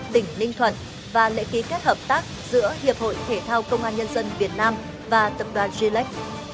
đỉnh ninh thuận và lệ ký kết hợp tác giữa hiệp hội thể thao công an nhân dân việt nam và tập đoàn gilead